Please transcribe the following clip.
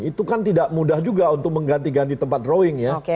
itu kan tidak mudah juga untuk mengganti ganti tempat drawing ya